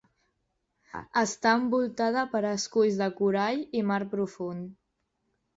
Està envoltada per esculls de corall i mar profund.